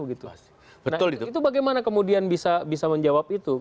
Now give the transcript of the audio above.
nah itu bagaimana kemudian bisa menjawab itu